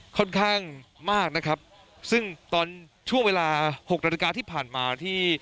ค่อนข้างมากนะครับซึ่งตอนช่วงเวลาหกนาฬิกาที่ผ่านมาที่